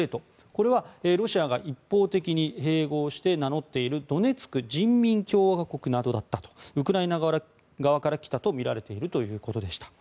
これはロシアが一方的に併合して名乗っているドネツク人民共和国などだったとウクライナ側から来たとみられているということでした。